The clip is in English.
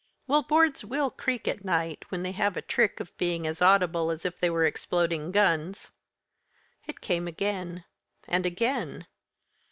Well, boards will creak at night, when they have a trick of being as audible as if they were exploding guns. It came again and again.